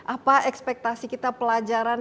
apa ekspektasi kita pelajaran